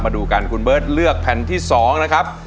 ดูกันคุณเบิร์ตเลือกแผ่นที่๒นะครับ